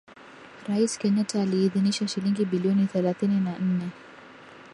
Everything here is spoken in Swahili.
Rais Kenyatta aliidhinisha shilingi bilioni thelathini na nne